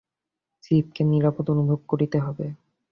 চিপকে নিরাপদ অনুভব করতে হবে।